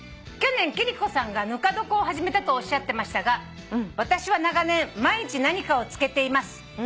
「去年貴理子さんがぬか床を始めたとおっしゃってましたが私は長年毎日何かを漬けています」